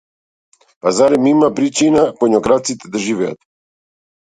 Па зарем има причина коњокрадците да живеат?